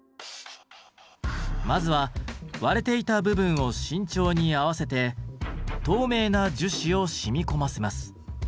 まずは割れていた部分を慎重に合わせて透明な樹脂を染み込ませます。